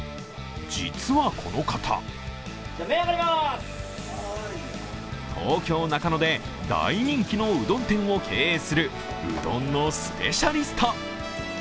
実は、この方東京・中野で大人気のうどん店を経営するうどんのスペシャリスト。